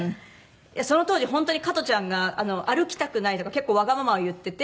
その当時本当に加トちゃんが「歩きたくない」とか結構わがままを言ってて。